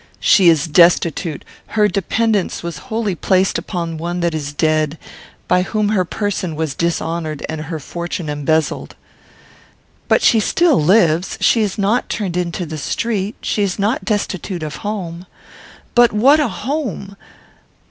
"She is destitute. Her dependence was wholly placed upon one that is dead, by whom her person was dishonoured and her fortune embezzled." "But she still lives. She is not turned into the street. She is not destitute of home." "But what a home!"